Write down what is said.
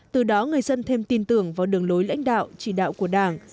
từ đó người dân thêm tin tưởng vào đường lối lãnh đạo chỉ đạo của đảng